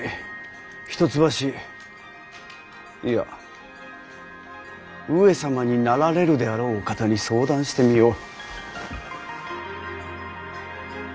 一橋いや上様になられるであろうお方に相談してみよう。